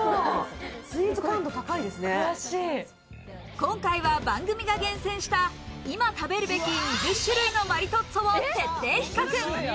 今回は番組が厳選した今、食べるべき２０種類のマリトッツォを徹底比較。